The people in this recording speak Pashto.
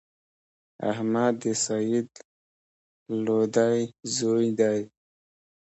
احمد د سعید لودی زوی دﺉ.